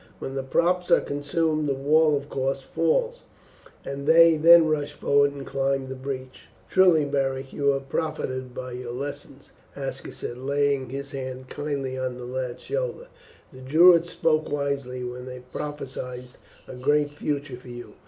When the props are consumed the wall of course falls, and they then rush forward and climb the breach." "Truly, Beric, you have profited by your lessons," Aska said, laying his hand kindly on the lad's shoulder. "The Druids spoke wisely when they prophesied a great future for you.